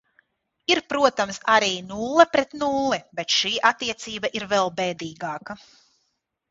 Ir, protams, arī nulle pret nulli, bet šī attiecība ir vēl bēdīgāka.